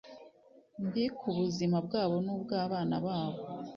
mbi ku buzima bwabo n ubw abana babo